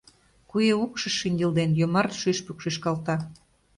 Куэ укшыш шинчылден, йомарт шӱшпык шӱшкалта.